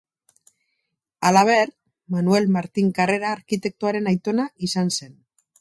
Halaber, Manuel Martin Karrera arkitektoaren aitona izan zen.